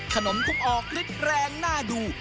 ขนมคุกออกริดแรงน่าดู